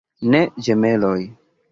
Ne ĝemeloj.